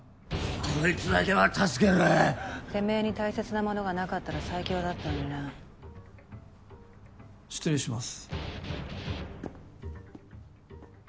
こいつだけは助けろてめぇに大切なものがなかったら最強だっ失礼します。